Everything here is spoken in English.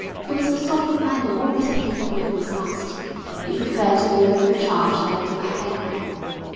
He was the sort of man who always paid what he was asked. He preferred to be over charged than to haggle.